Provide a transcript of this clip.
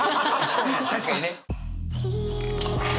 確かにね！